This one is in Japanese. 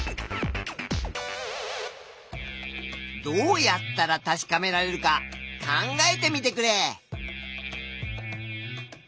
どうやったら確かめられるか考えてみてくれ。